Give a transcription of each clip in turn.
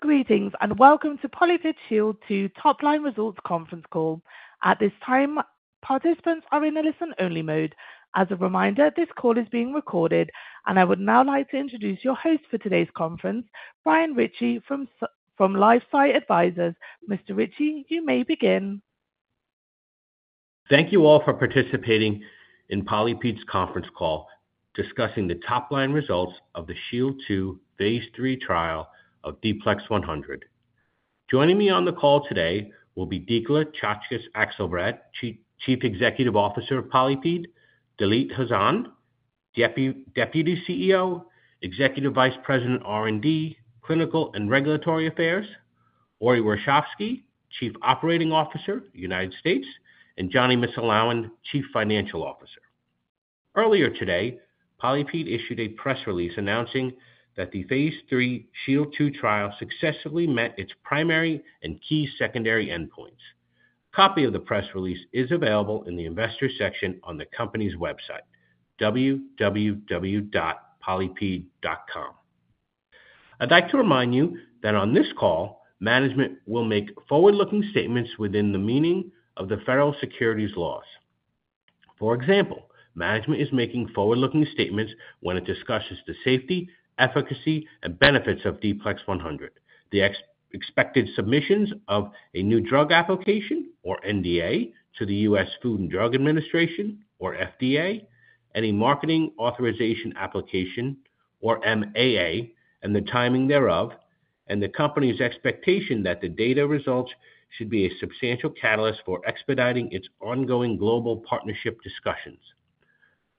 Greetings and welcome to PolyPid SHIELD II topline results conference call. At this time, participants are in a listen-only mode. As a reminder, this call is being recorded, and I would now like to introduce your host for today's conference, Brian Ritchie from LifeSci Advisors. Mr. Ritchie, you may begin. Thank you all for participating in PolyPid's conference call discussing the top-line results of the SHIELD II phase III trial. Joining me on the call today will be Dikla Czaczkes Akselbrad, Chief Executive Officer of PolyPid, Dalit Hazan, Deputy CEO, Executive Vice President R&D, Clinical and Regulatory Affairs, Ori Warshavsky, Chief Operating Officer, United States, and Jonny Missulawin, Chief Financial Officer. Earlier today, PolyPid issued a press release announcing that the phase III SHIELD II trial successfully met its primary and key secondary endpoints. A copy of the press release is available in the investor section on the company's website, www.polypid.com. I'd like to remind you that on this call, management will make forward-looking statements within the meaning of the federal securities laws. For example, management is making forward-looking statements when it discusses the safety, efficacy, and benefits of D-PLEX100. The expected submissions of a new drug application, or NDA, to the U.S. Food and Drug Administration, or FDA, any marketing authorization application, or MAA, and the timing thereof, and the company's expectation that the data results should be a substantial catalyst for expediting its ongoing global partnership discussions.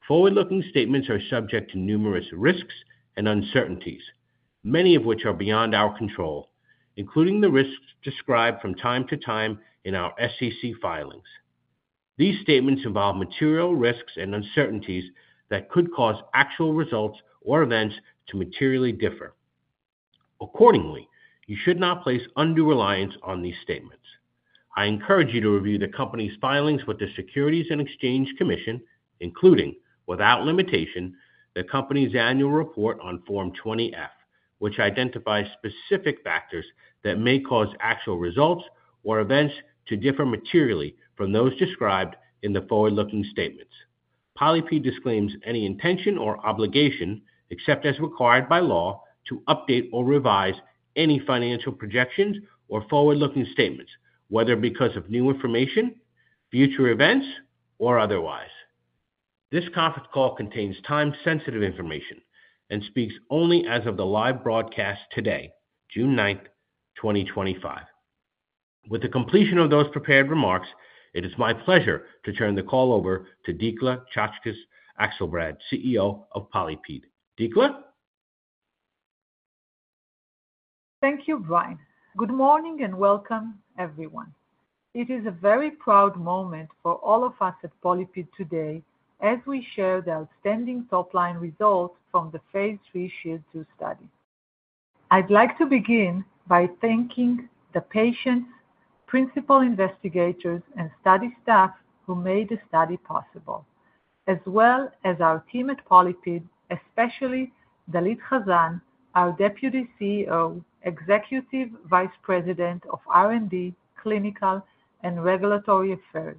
Forward-looking statements are subject to numerous risks and uncertainties, many of which are beyond our control, including the risks described from time to time in our SEC filings. These statements involve material risks and uncertainties that could cause actual results or events to materially differ. Accordingly, you should not place undue reliance on these statements. I encourage you to review the company's filings with the Securities and Exchange Commission, including, without limitation, the company's annual report on Form 20F, which identifies specific factors that may cause actual results or events to differ materially from those described in the forward-looking statements. PolyPid disclaims any intention or obligation, except as required by law, to update or revise any financial projections or forward-looking statements, whether because of new information, future events, or otherwise. This conference call contains time-sensitive information and speaks only as of the live broadcast today, June 9th, 2025. With the completion of those prepared remarks, it is my pleasure to turn the call over to Dikla Czaczkes Akselbrad, CEO of PolyPid. Dikla? Thank you, Brian. Good morning and welcome, everyone. It is a very proud moment for all of us at PolyPid today as we share the outstanding top-line results from the phase III SHIELD II study. I'd like to begin by thanking the patients, principal investigators, and study staff who made the study possible, as well as our team at PolyPid, especially Dalit Hazan, our Deputy CEO, Executive Vice President of R&D, Clinical and Regulatory Affairs,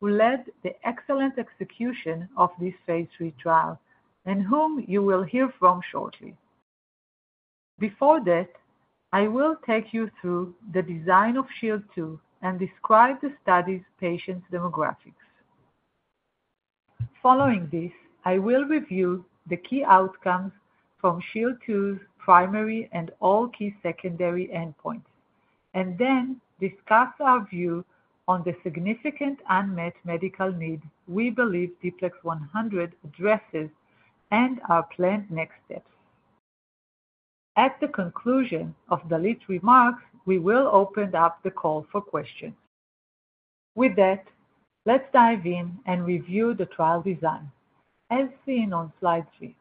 who led the excellent execution of this phase III trial, and whom you will hear from shortly. Before that, I will take you through the design of SHIELD II and describe the study's patient demographics. Following this, I will review the key outcomes from SHIELD II's primary and all key secondary endpoints, and then discuss our view on the significant unmet medical needs we believe D-PLEX100 addresses and our planned next steps. At the conclusion of Dalit's remarks, we will open up the call for questions. With that, let's dive in and review the trial design. As seen on slide three,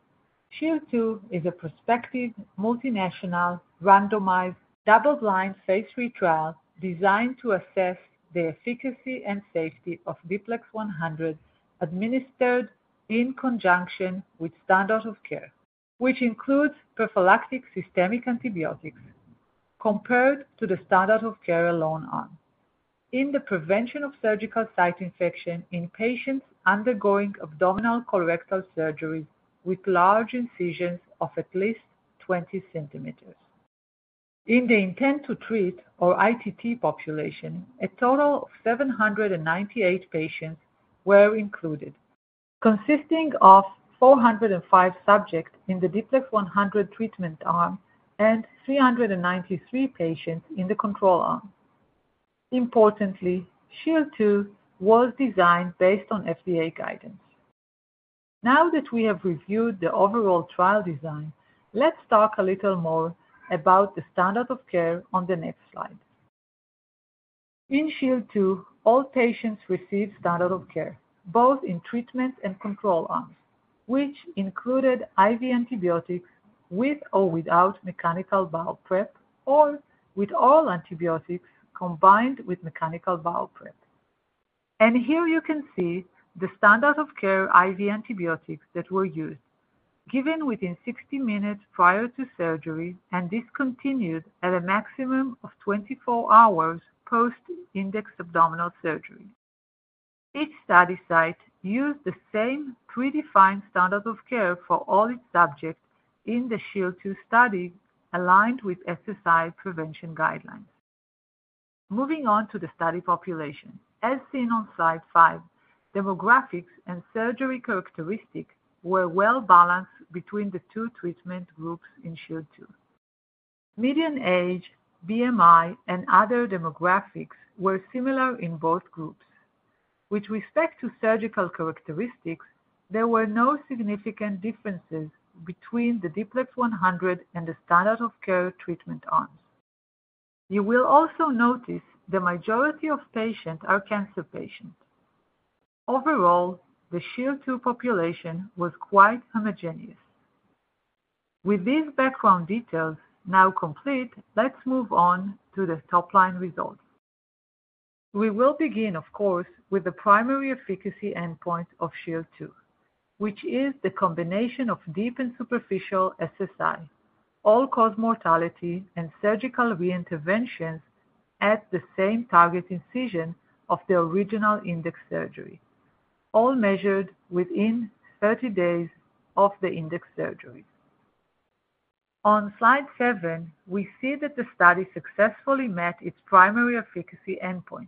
SHIELD II is a prospective multinational randomized double-blind phase III trial designed to assess the efficacy and safety of D-PLEX100 administered in conjunction with standard of care, which includes prophylactic systemic antibiotics compared to the standard of care alone arm, in the prevention of surgical site infection in patients undergoing abdominal colorectal surgeries with large incisions of at least 20 centimeters. In the intent-to-treat, or ITT population, a total of 798 patients were included, consisting of 405 subjects in the D-PLEX100 treatment arm and 393 patients in the control arm. Importantly, SHIELD II was designed based on FDA guidance. Now that we have reviewed the overall trial design, let's talk a little more about the standard of care on the next slide. In SHIELD II, all patients received standard of care, both in treatment and control arms, which included IV antibiotics with or without mechanical bowel prep, or with all antibiotics combined with mechanical bowel prep. Here you can see the standard of care IV antibiotics that were used, given within 60 minutes prior to surgery and discontinued at a maximum of 24 hours post-index abdominal surgery. Each study site used the same predefined standard of care for all its subjects in the SHIELD II study, aligned with SSI prevention guidelines. Moving on to the study population, as seen on slide five, demographics and surgery characteristics were well balanced between the two treatment groups in SHIELD II. Median age, BMI, and other demographics were similar in both groups. With respect to surgical characteristics, there were no significant differences between the D-PLEX100 and the standard of care treatment arms. You will also notice the majority of patients are cancer patients. Overall, the SHIELD II population was quite homogeneous. With these background details now complete, let's move on to the top-line results. We will begin, of course, with the primary efficacy endpoint of SHIELD II, which is the combination of deep and superficial SSI, all-cause mortality, and surgical reinterventions at the same target incision of the original index surgery, all measured within 30 days of the index surgery. On slide seven, we see that the study successfully met its primary efficacy endpoint.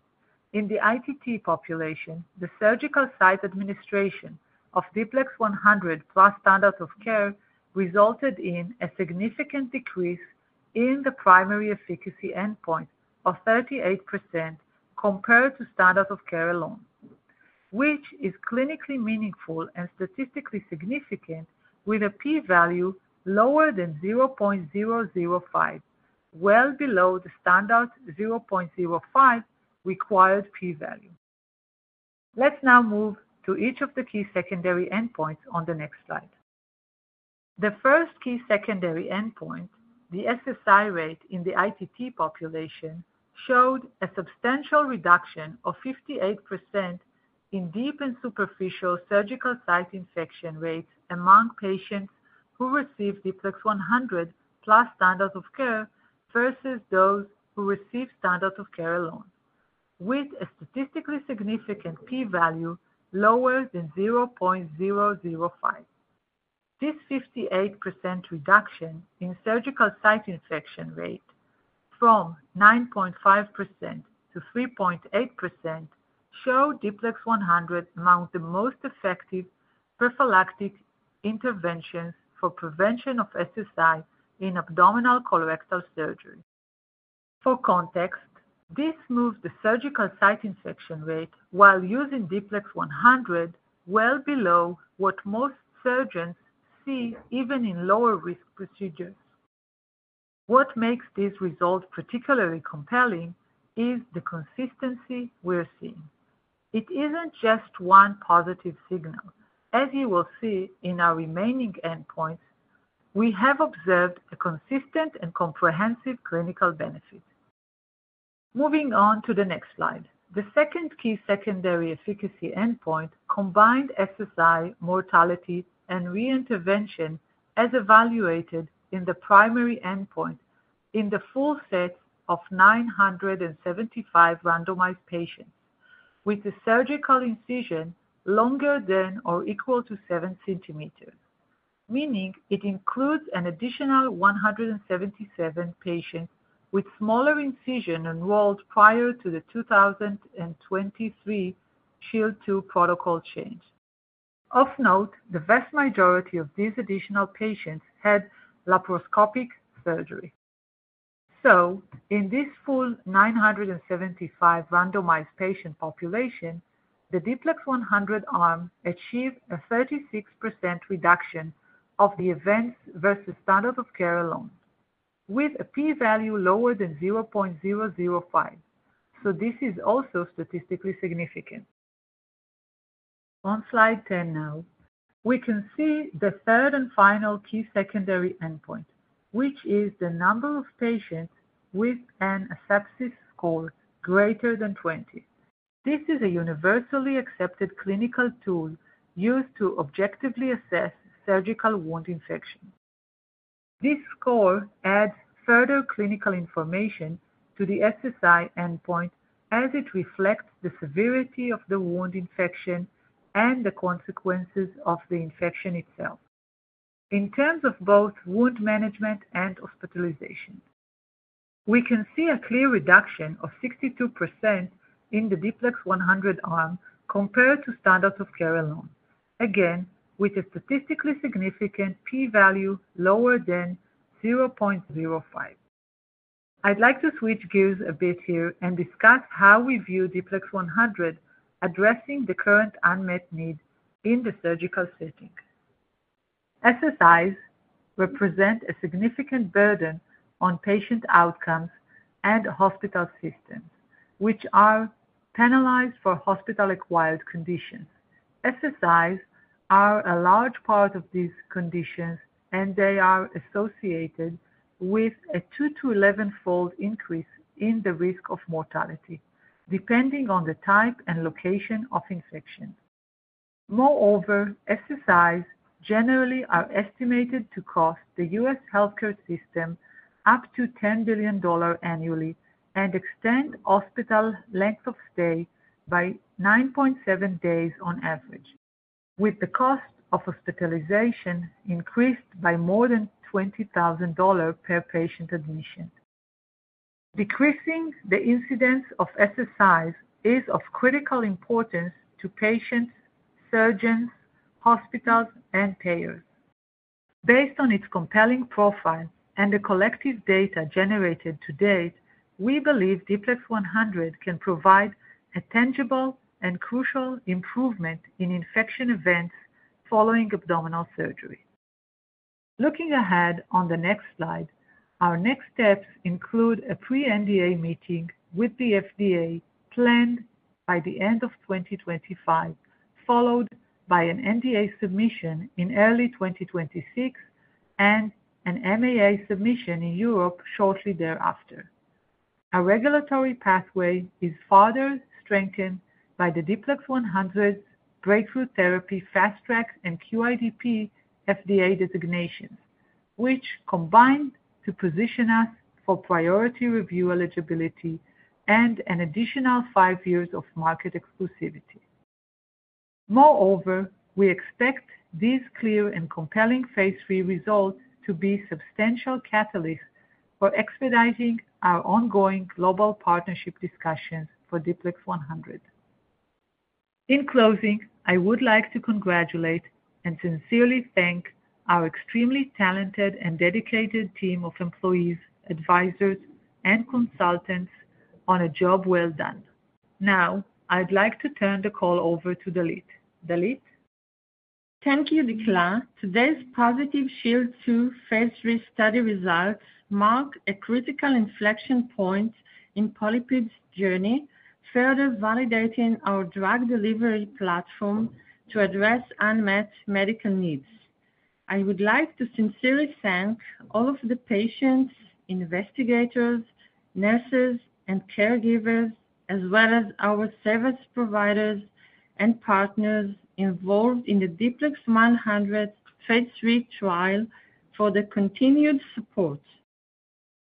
In the ITT population, the surgical site administration of D-PLEX100 plus standard of care resulted in a significant decrease in the primary efficacy endpoint of 38% compared to standard of care alone, which is clinically meaningful and statistically significant, with a p-value lower than 0.005, well below the standard 0.05 required p-value. Let's now move to each of the key secondary endpoints on the next slide. The first key secondary endpoint, the SSI rate in the ITT population, showed a substantial reduction of 58% in deep and superficial surgical site infection rates among patients who received D-PLEX100 plus standard of care versus those who received standard of care alone, with a statistically significant p-value lower than 0.005. This 58% reduction in surgical site infection rate from 9.5% to 3.8% showed D-PLEX100 among the most effective prophylactic interventions for prevention of SSI in abdominal colorectal surgery. For context, this moved the surgical site infection rate while using D-PLEX100 well below what most surgeons see even in lower-risk procedures. What makes these results particularly compelling is the consistency we're seeing. It isn't just one positive signal. As you will see in our remaining endpoints, we have observed a consistent and comprehensive clinical benefit. Moving on to the next slide, the second key secondary efficacy endpoint, combined SSI, mortality, and reintervention, is evaluated in the primary endpoint in the full set of 975 randomized patients with the surgical incision longer than or equal to 7 centimeters, meaning it includes an additional 177 patients with smaller incisions enrolled prior to the 2023 SHIELD II protocol change. Of note, the vast majority of these additional patients had laparoscopic surgery. In this full 975 randomized patient population, the D-PLEX100 arm achieved a 36% reduction of the events versus standard of care alone, with a p-value lower than 0.005. This is also statistically significant. On slide 10 now, we can see the third and final key secondary endpoint, which is the number of patients with an asepsis score greater than 20. This is a universally accepted clinical tool used to objectively assess surgical wound infection. This score adds further clinical information to the SSI endpoint as it reflects the severity of the wound infection and the consequences of the infection itself in terms of both wound management and hospitalization. We can see a clear reduction of 62% in the D-PLEX100 arm compared to standard of care alone, again with a statistically significant p-value lower than 0.05. I'd like to switch gears a bit here and discuss how we view D-PLEX100 addressing the current unmet needs in the surgical setting. SSIs represent a significant burden on patient outcomes and hospital systems, which are penalized for hospital-acquired conditions. SSIs are a large part of these conditions, and they are associated with a 2-11-fold increase in the risk of mortality, depending on the type and location of infection. Moreover, SSIs generally are estimated to cost the U.S. healthcare system up to $10 billion annually and extend hospital length of stay by 9.7 days on average, with the cost of hospitalization increased by more than $20,000 per patient admission. Decreasing the incidence of SSIs is of critical importance to patients, surgeons, hospitals, and payers. Based on its compelling profile and the collective data generated to date, we believe D-PLEX100 can provide a tangible and crucial improvement in infection events following abdominal surgery. Looking ahead on the next slide, our next steps include a pre-NDA meeting with the U.S. FDA planned by the end of 2025, followed by an NDA submission in early 2026 and an MAA submission in Europe shortly thereafter. Our regulatory pathway is further strengthened by D-PLEX100's breakthrough therapy, fast-track, and QIDP FDA designations, which combined to position us for priority review eligibility and an additional five years of market exclusivity. Moreover, we expect these clear and compelling phase III results to be substantial catalysts for expediting our ongoing global partnership discussions for D-PLEX100. In closing, I would like to congratulate and sincerely thank our extremely talented and dedicated team of employees, advisors, and consultants on a job well done. Now, I'd like to turn the call over to Dalit. Dalit? Thank you, Dikla. Today's positive SHIELD II phase III study results mark a critical inflection point in PolyPid's journey, further validating our drug delivery platform to address unmet medical needs. I would like to sincerely thank all of the patients, investigators, nurses, and caregivers, as well as our service providers and partners involved in the phase III trial for the continued support.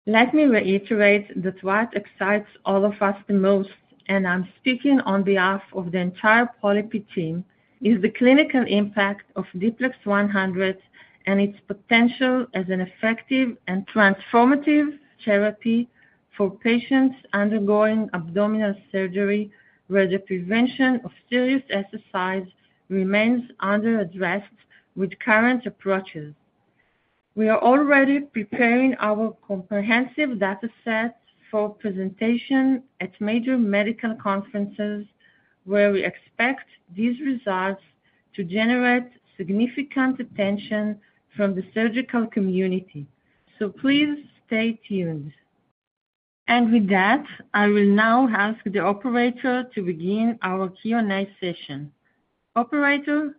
Let me reiterate that what excites all of us the most, and I'm speaking on behalf of the entire PolyPid team, is the clinical impact of D-PLEX100 and its potential as an effective and transformative therapy for patients undergoing abdominal surgery, where the prevention of serious SSIs remains under-addressed with current approaches. We are already preparing our comprehensive data set for presentation at major medical conferences, where we expect these results to generate significant attention from the surgical community. Please stay tuned. With that, I will now ask the operator to begin our Q&A session. Operator?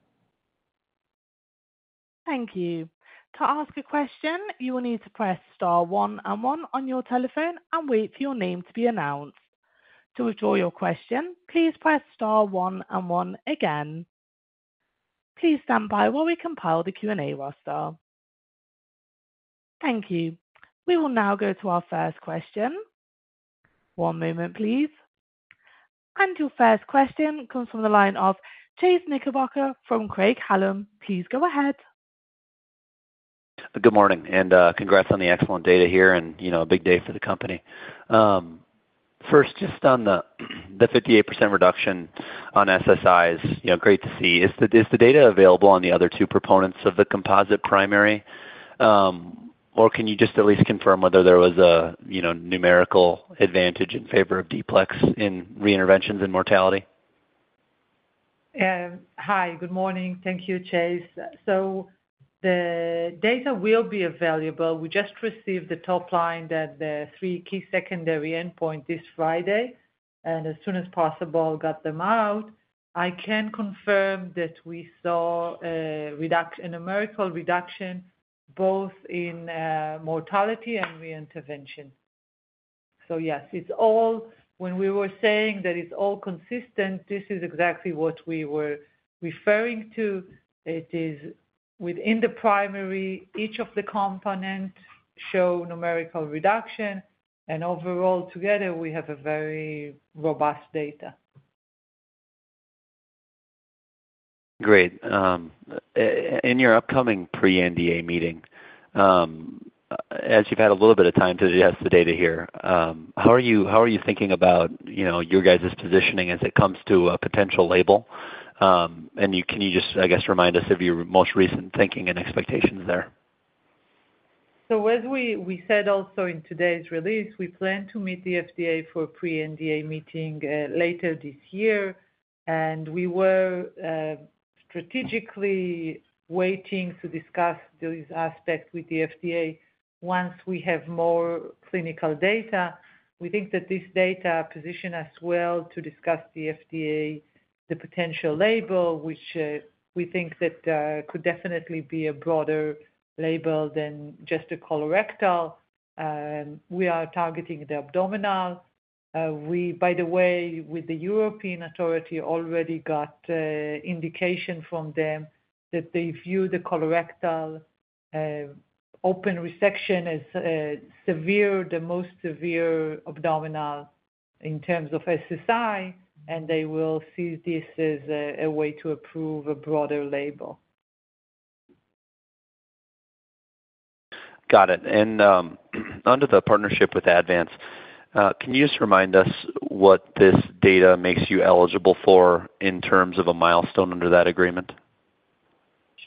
Thank you. To ask a question, you will need to press star one and one on your telephone and wait for your name to be announced. To withdraw your question, please press star one and one again. Please stand by while we compile the Q&A roster. Thank you. We will now go to our first question. One moment, please. Your first question comes from the line of Chase Knickerbocker from Craig-Hallum. Please go ahead. Good morning, and congrats on the excellent data here, and a big day for the company. First, just on the 58% reduction on SSIs, great to see. Is the data available on the other two proponents of the composite primary, or can you just at least confirm whether there was a numerical advantage in favor of D-PLEX in reinterventions and mortality? Hi, good morning. Thank you, Chase. The data will be available. We just received the top line that the three key secondary endpoints this Friday, and as soon as possible, got them out. I can confirm that we saw a numerical reduction both in mortality and reintervention. Yes, when we were saying that it is all consistent, this is exactly what we were referring to. It is within the primary. Each of the components show numerical reduction, and overall, together, we have very robust data. Great. In your upcoming pre-NDA meeting, as you've had a little bit of time to just get the data here, how are you thinking about your guys' positioning as it comes to a potential label? Can you just, I guess, remind us of your most recent thinking and expectations there? As we said also in today's release, we plan to meet the FDA for a pre-NDA meeting later this year, and we were strategically waiting to discuss these aspects with the FDA once we have more clinical data. We think that this data positions us well to discuss the FDA's potential label, which we think could definitely be a broader label than just a colorectal. We are targeting the abdominal. By the way, with the European authority, we already got indication from them that they view the colorectal open resection as severe, the most severe abdominal in terms of SSI, and they will see this as a way to approve a broader label. Got it. Under the partnership with Advanced, can you just remind us what this data makes you eligible for in terms of a milestone under that agreement?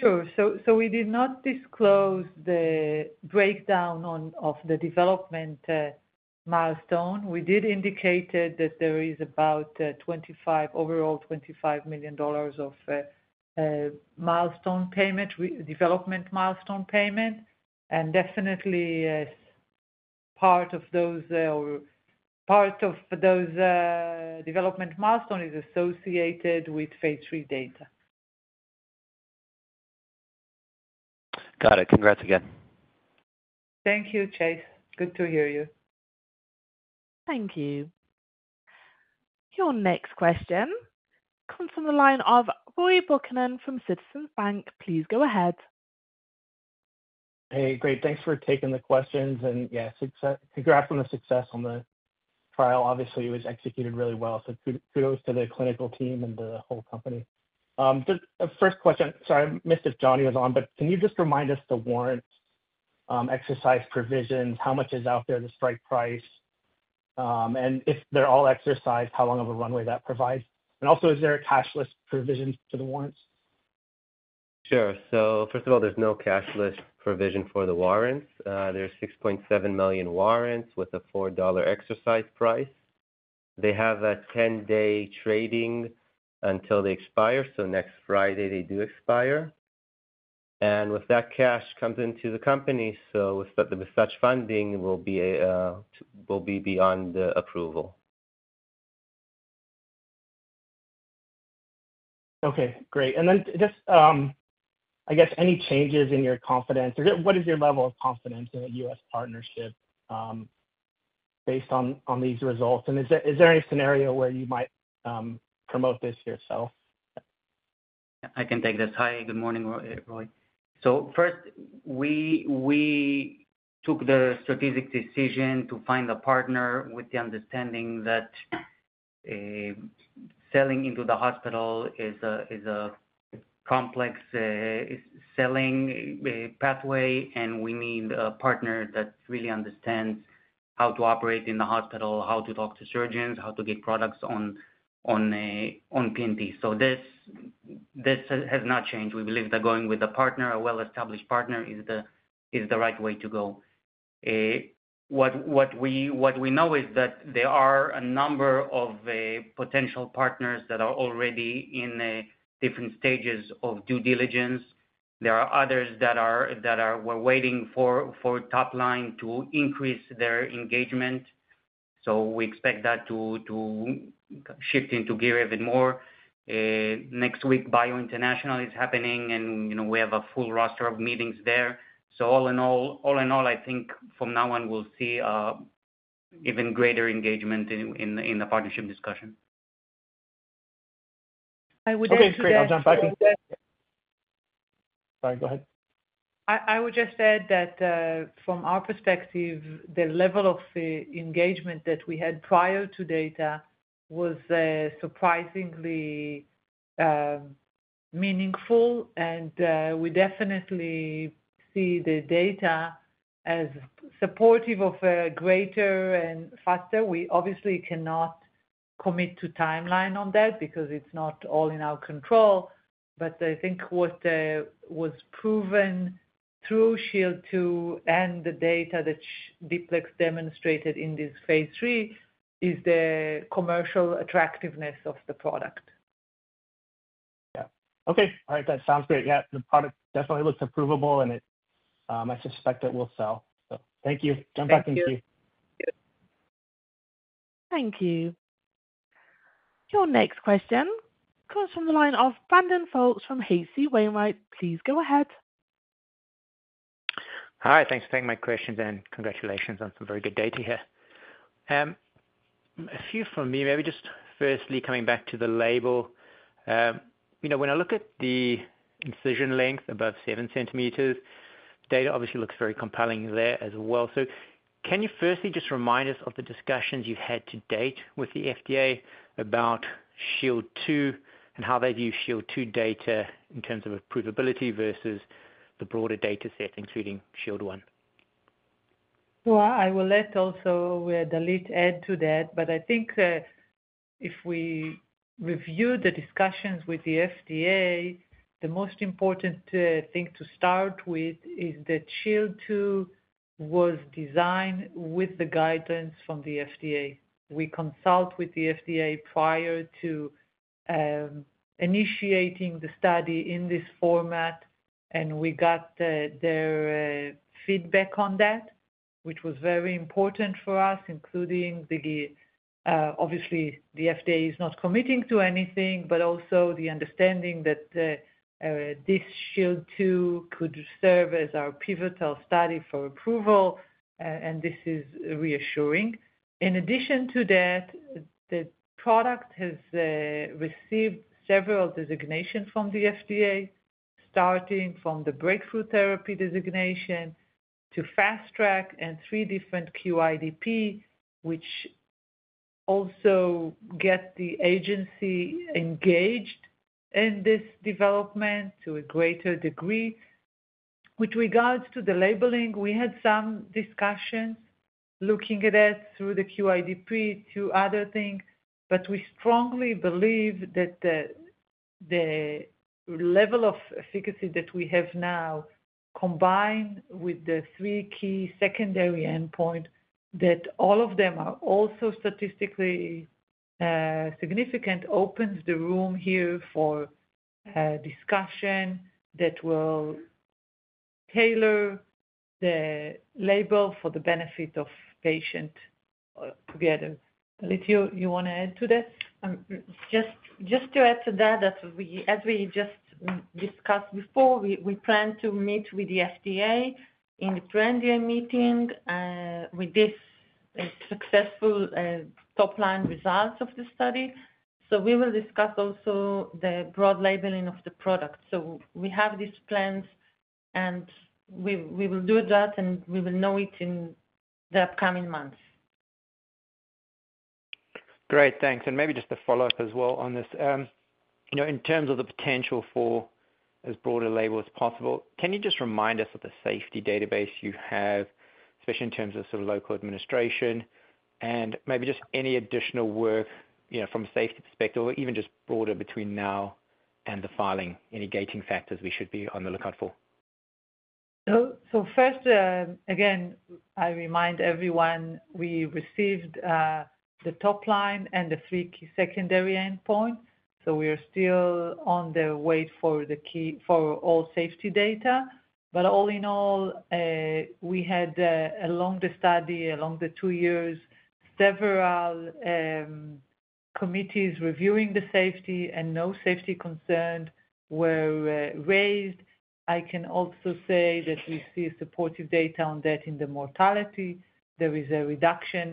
Sure. We did not disclose the breakdown of the development milestone. We did indicate that there is about overall $25 million of development milestone payment, and definitely part of those development milestones is associated with phase III data. Got it. Congrats again. Thank you, Chase. Good to hear you. Thank you. Your next question comes from the line of Roy Buchanan from Citizens Bank. Please go ahead. Hey, great. Thanks for taking the questions. Yes, congrats on the success on the trial. Obviously, it was executed really well, so kudos to the clinical team and the whole company. First question—sorry, I missed if Jonny was on—but can you just remind us the warrant exercise provisions? How much is out there, the strike price? If they are all exercised, how long of a runway that provides? Also, is there a cashless provision for the warrants? Sure. First of all, there's no cashless provision for the warrants. There are 6.7 million warrants with a $4 exercise price. They have a 10-day trading until they expire, so next Friday they do expire. With that, cash comes into the company, so with such funding, it will be beyond approval. Okay. Great. Just, I guess, any changes in your confidence? What is your level of confidence in the U.S. partnership based on these results? Is there any scenario where you might promote this yourself? I can take this. Hi, good morning, Roy. First, we took the strategic decision to find a partner with the understanding that selling into the hospital is a complex selling pathway, and we need a partner that really understands how to operate in the hospital, how to talk to surgeons, how to get products on P&T. This has not changed. We believe that going with a partner, a well-established partner, is the right way to go. What we know is that there are a number of potential partners that are already in different stages of due diligence. There are others that were waiting for top line to increase their engagement. We expect that to shift into gear even more. Next week, Bio International is happening, and we have a full roster of meetings there. All in all, I think from now on, we'll see even greater engagement in the partnership discussion. I would just say. Okay. Great. I'll jump back in. Sorry, go ahead. I would just add that from our perspective, the level of engagement that we had prior to data was surprisingly meaningful, and we definitely see the data as supportive of a greater and faster. We obviously cannot commit to timeline on that because it's not all in our control, but I think what was proven through SHIELD II and the data that D-PLEX demonstrated in this phase III is the commercial attractiveness of the product. Yeah. Okay. All right. That sounds great. Yeah, the product definitely looks approvable, and I suspect it will sell. Thank you. Jump back in. Thank you. Thank you. Your next question comes from the line of Brandon Folkes from H.C. Wainwright. Please go ahead. Hi. Thanks for taking my question, and congratulations on some very good data here. A few from me, maybe just firstly coming back to the label. When I look at the incision length above 7 centimeters, data obviously looks very compelling there as well. Can you firstly just remind us of the discussions you've had to date with the FDA about SHIELD II and how they view SHIELD II data in terms of approvability versus the broader data set, including SHIELD 1? I will let also Dalit add to that, but I think if we review the discussions with the FDA, the most important thing to start with is that SHIELD II was designed with the guidance from the FDA. We consult with the FDA prior to initiating the study in this format, and we got their feedback on that, which was very important for us, including obviously the FDA is not committing to anything, but also the understanding that this SHIELD II could serve as our pivotal study for approval, and this is reassuring. In addition to that, the product has received several designations from the FDA, starting from the breakthrough therapy designation to fast-track and three different QIDP, which also get the agency engaged in this development to a greater degree. With regards to the labeling, we had some discussions looking at it through the QIDP to other things, but we strongly believe that the level of efficacy that we have now, combined with the three key secondary endpoints, that all of them are also statistically significant, opens the room here for discussion that will tailor the label for the benefit of patients together. Dalit, you want to add to that? Just to add to that, as we just discussed before, we plan to meet with the FDA in the pre-NDA meeting with this successful top line results of the study. We will discuss also the broad labeling of the product. We have these plans, and we will do that, and we will know it in the upcoming months. Great. Thanks. Maybe just a follow-up as well on this. In terms of the potential for as broad a label as possible, can you just remind us of the safety database you have, especially in terms of sort of local administration, and maybe just any additional work from a safety perspective, or even just broader between now and the filing, any gating factors we should be on the lookout for? First, again, I remind everyone, we received the top line and the three key secondary endpoints. We are still on the wait for all safety data. All in all, we had, along the study, along the two years, several committees reviewing the safety, and no safety concerns were raised. I can also say that we see supportive data on that in the mortality. There is a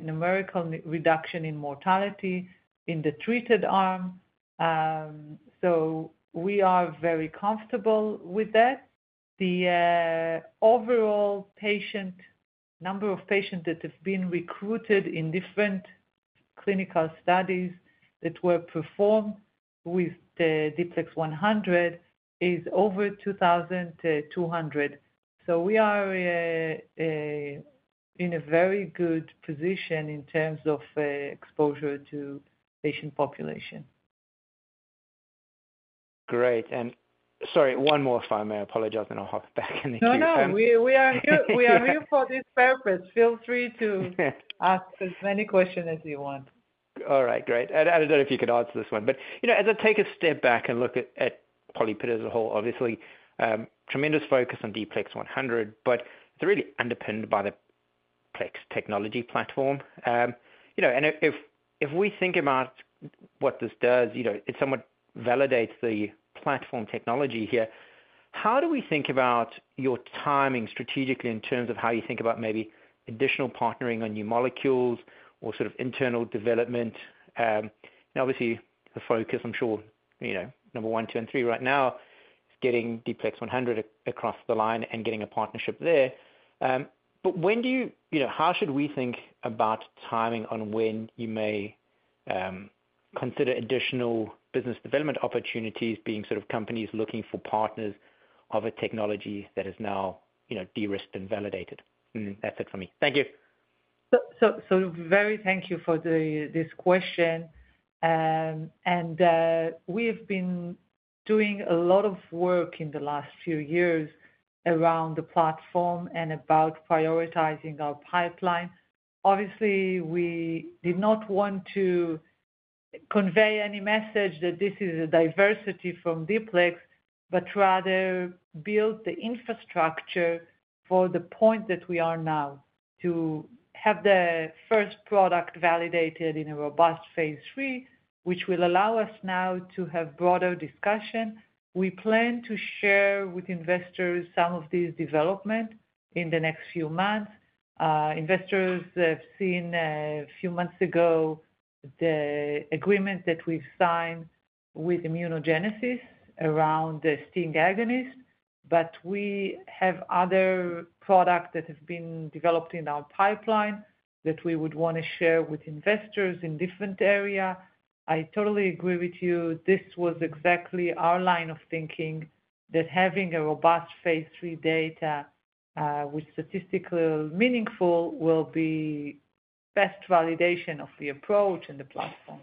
numerical reduction in mortality in the treated arm. We are very comfortable with that. The overall number of patients that have been recruited in different clinical studies that were performed with D-PLEX100 is over 2,200. We are in a very good position in terms of exposure to patient population. Great. Sorry, one more if I may. I apologize, and I'll hop back in. No, no. We are here for this purpose. Feel free to ask as many questions as you want. All right. Great. I do not know if you could answer this one, but as I take a step back and look at PolyPid as a whole, obviously, tremendous focus on D-PLEX100, but it is really underpinned by the PLEX technology platform. If we think about what this does, it somewhat validates the platform technology here. How do we think about your timing strategically in terms of how you think about maybe additional partnering on new molecules or sort of internal development? Obviously, the focus, I am sure, number one, two, and three right now is getting D-PLEX100 across the line and getting a partnership there. When do you—how should we think about timing on when you may consider additional business development opportunities being sort of companies looking for partners of a technology that is now de-risked and validated? That is it for me. Thank you. Thank you for this question. We have been doing a lot of work in the last few years around the platform and about prioritizing our pipeline. Obviously, we did not want to convey any message that this is a diversity from D-PLEX, but rather build the infrastructure for the point that we are now, to have the first product validated in a robust phase III, which will allow us now to have broader discussion. We plan to share with investors some of these developments in the next few months. Investors have seen a few months ago the agreement that we've signed with Immunogenesis around the STING agonist, but we have other products that have been developed in our pipeline that we would want to share with investors in different areas. I totally agree with you. This was exactly our line of thinking, that having a robust phase III data with statistical meaning will be best validation of the approach and the platform.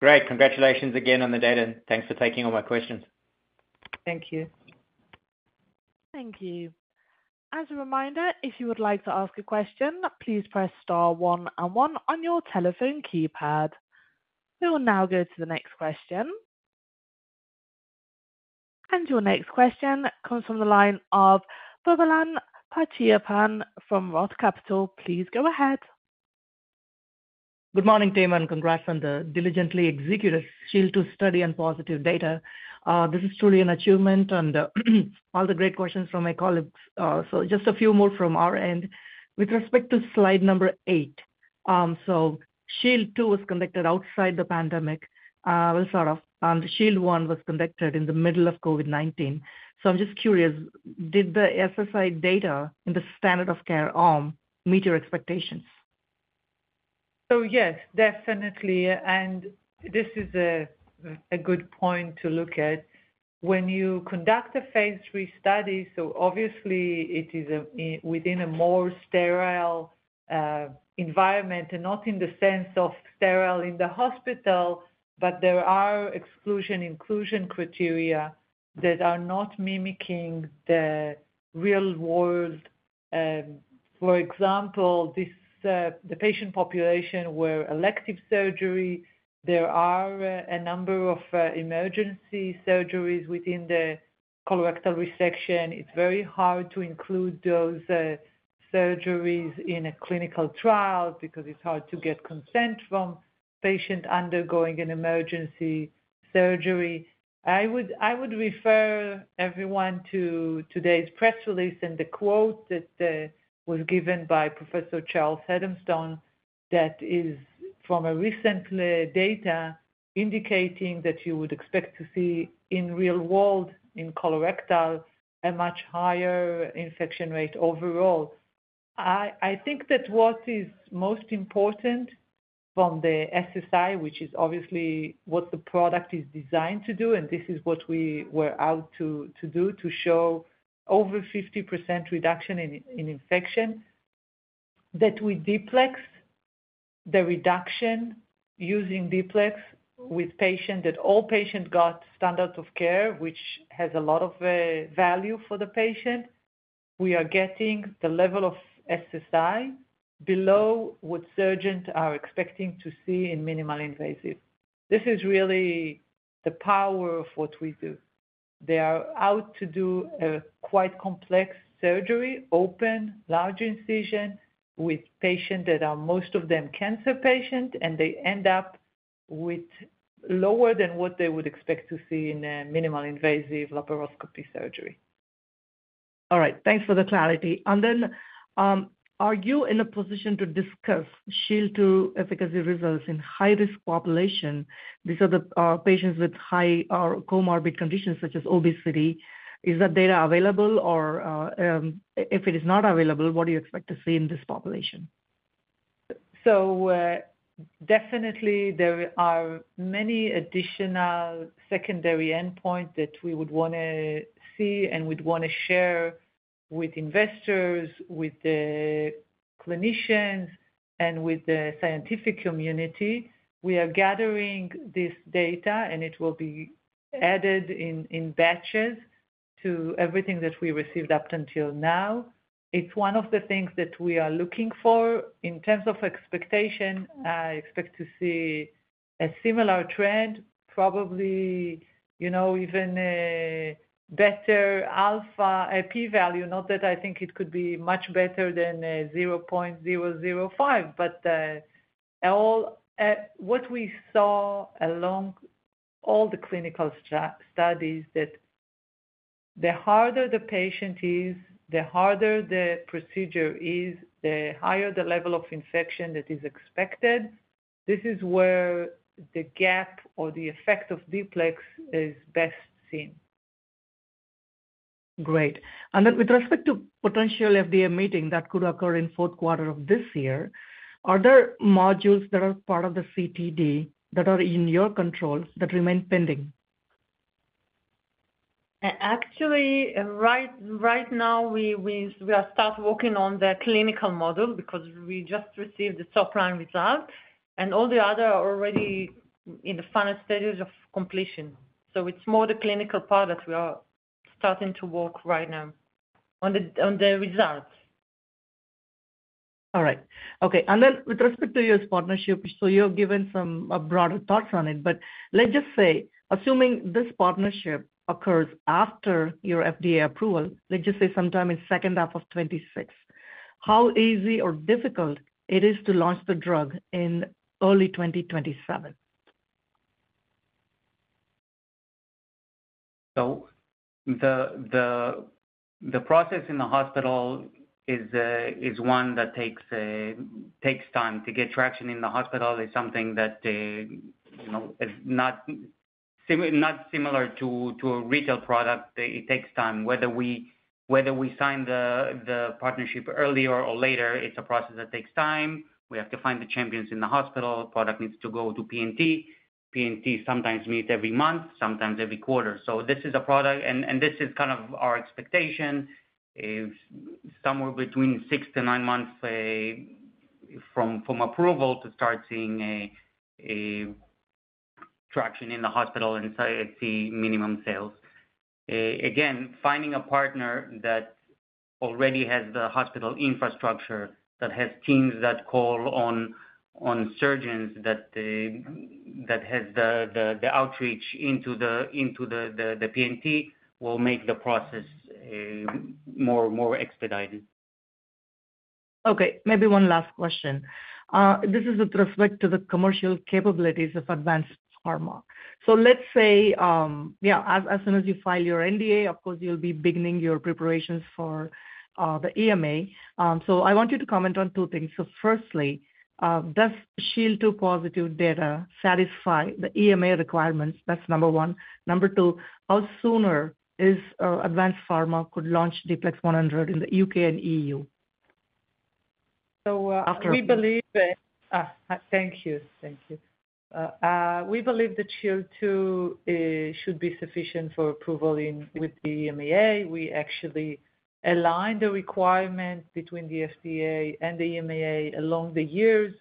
Great. Congratulations again on the data, and thanks for taking all my questions. Thank you. Thank you. As a reminder, if you would like to ask a question, please press star one and one on your telephone keypad. We will now go to the next question. Your next question comes from the line of Boobalan Pachaiyappan from ROTH Capital. Please go ahead. Good morning, team, and congrats on the diligently executed SHIELD II study and positive data. This is truly an achievement, and all the great questions from my colleagues. Just a few more from our end. With respect to slide number eight, SHIELD II was conducted outside the pandemic, Vilsarov, and SHIELD 1 was conducted in the middle of COVID-19. I'm just curious, did the SSI data in the standard of care arm meet your expectations? Yes, definitely. This is a good point to look at. When you conduct a phase III study, obviously, it is within a more sterile environment, and not in the sense of sterile in the hospital, but there are exclusion-inclusion criteria that are not mimicking the real world. For example, the patient population were elective surgery. There are a number of emergency surgeries within the colorectal resection. It's very hard to include those surgeries in a clinical trial because it's hard to get consent from patients undergoing an emergency surgery. I would refer everyone to today's press release and the quote that was given by Professor Charles Edmiston that is from recent data indicating that you would expect to see in real world in colorectal a much higher infection rate overall. I think that what is most important from the SSI, which is obviously what the product is designed to do, and this is what we were out to do, to show over 50% reduction in infection, that we D-PLEX, the reduction using D-PLEX with patients that all patients got standard of care, which has a lot of value for the patient, we are getting the level of SSI below what surgeons are expecting to see in minimal invasive. This is really the power of what we do. They are out to do a quite complex surgery, open, large incision with patients that are most of them cancer patients, and they end up with lower than what they would expect to see in a minimal invasive laparoscopy surgery. All right. Thanks for the clarity. Are you in a position to discuss SHIELD II efficacy results in high-risk population? These are the patients with high comorbid conditions such as obesity. Is that data available? If it is not available, what do you expect to see in this population? Definitely, there are many additional secondary endpoints that we would want to see and would want to share with investors, with the clinicians, and with the scientific community. We are gathering this data, and it will be added in batches to everything that we received up until now. It's one of the things that we are looking for. In terms of expectation, I expect to see a similar trend, probably even a better alpha P-value. Not that I think it could be much better than 0.005, but what we saw along all the clinical studies is that the harder the patient is, the harder the procedure is, the higher the level of infection that is expected. This is where the gap or the effect of D-PLEX is best seen. Great. With respect to potential FDA meeting that could occur in the fourth quarter of this year, are there modules that are part of the CTD that are in your control that remain pending? Actually, right now, we are starting working on the clinical model because we just received the top line results, and all the others are already in the final stages of completion. It is more the clinical part that we are starting to work right now on the results. All right. Okay. And then, with respect to your partnership, so you've given some broader thoughts on it, but let's just say, assuming this partnership occurs after your FDA approval, let's just say sometime in the second half of 2026, how easy or difficult it is to launch the drug in early 2027? The process in the hospital is one that takes time to get traction in the hospital. It's something that is not similar to a retail product. It takes time. Whether we sign the partnership earlier or later, it's a process that takes time. We have to find the champions in the hospital. The product needs to go to P&T. P&T sometimes meets every month, sometimes every quarter. This is a product, and this is kind of our expectation, somewhere between six to nine months from approval to start seeing traction in the hospital and see minimum sales. Again, finding a partner that already has the hospital infrastructure, that has teams that call on surgeons, that has the outreach into the P&T will make the process more expedited. Okay. Maybe one last question. This is with respect to the commercial capabilities of Advanced Pharma. Let's say, yeah, as soon as you file your NDA, of course, you'll be beginning your preparations for the EMA. I want you to comment on two things. Firstly, does SHIELD II positive data satisfy the EMA requirements? That's number one. Number two, how soon could Advanced Pharma launch D-PLEX100 in the U.K. and EU? We believe it. After. Thank you. Thank you. We believe that SHIELD II should be sufficient for approval with the EMA. We actually aligned the requirement between the FDA and the EMA along the years,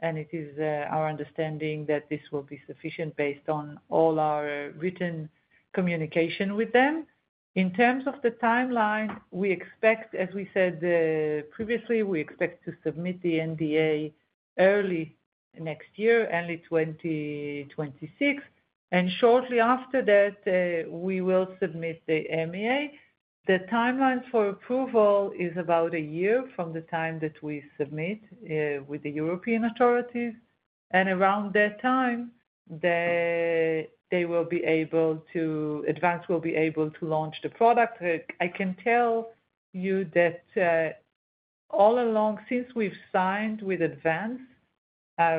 and it is our understanding that this will be sufficient based on all our written communication with them. In terms of the timeline, we expect, as we said previously, we expect to submit the NDA early next year, early 2026, and shortly after that, we will submit to the EMA. The timeline for approval is about a year from the time that we submit with the European authorities. Around that time, Advanced will be able to launch the product. I can tell you that all along, since we've signed with Advanced,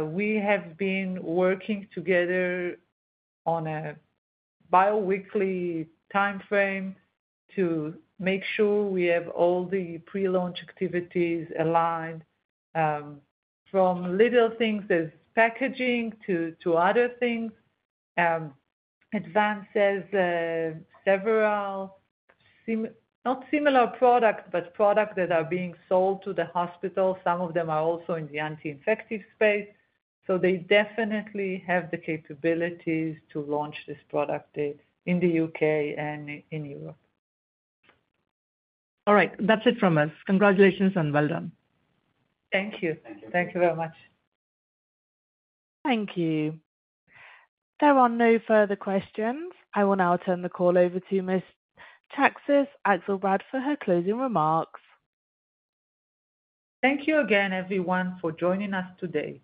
we have been working together on a biweekly timeframe to make sure we have all the pre-launch activities aligned, from little things as packaging to other things. Advanced has several not similar products, but products that are being sold to the hospital. Some of them are also in the anti-infective space. They definitely have the capabilities to launch this product in the U.K. and in Europe. All right. That's it from us. Congratulations and well done. Thank you. Thank you very much. Thank you. There are no further questions. I will now turn the call over to Ms. Czaczkes-Akselbrad for her closing remarks. Thank you again, everyone, for joining us today.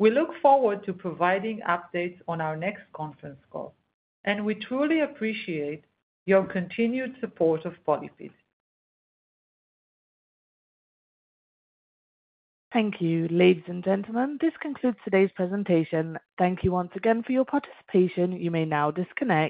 We look forward to providing updates on our next conference call, and we truly appreciate your continued support of PolyPid. Thank you, ladies and gentlemen. This concludes today's presentation. Thank you once again for your participation. You may now disconnect.